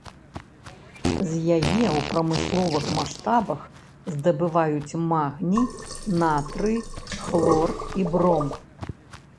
З яе ў прамысловых маштабах здабываюць магній, натрый, хлор і бром.